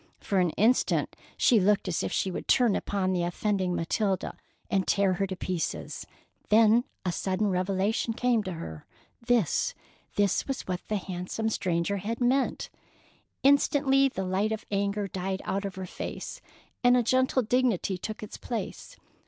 For an instant she looked as if she would turn upon the offending Matilda and tear her to pieces. Then a sudden revelation came to her: this, this was what the handsome stranger had meant! Instantly the light of anger died out of her face, and a gentle dignity took its place.